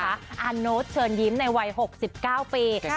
อาโน๊ตเชิญยิ้มในวัย๖๙ปี